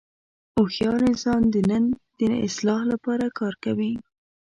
هوښیار انسان د نن د اصلاح لپاره کار کوي.